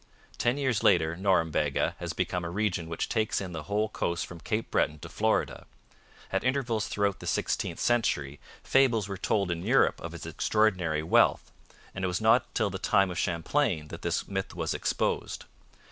Ten years later Norumbega has become a region which takes in the whole coast from Cape Breton to Florida. At intervals throughout the sixteenth century fables were told in Europe of its extraordinary wealth, and it was not till the time of Champlain that this myth was exposed.